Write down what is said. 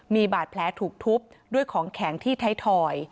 มีบาดแผลถูกทุบด้วยของแข็งที่ไทยทอย